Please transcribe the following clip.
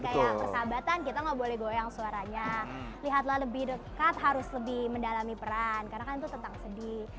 kayak persahabatan kita nggak boleh goyang suaranya lihatlah lebih dekat harus lebih mendalami peran karena kan itu tentang sedih